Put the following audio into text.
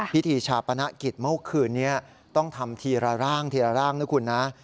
พิธีชาปนกิจเมื่อคืนนี้ต้องทำทีละร่างทีละร่างนะคุณนะ